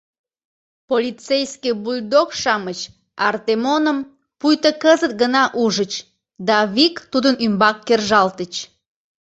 Полицейский бульдог-шамыч Артемоным пуйто кызыт гына ужыч да вик тудын ӱмбак кержалтыч.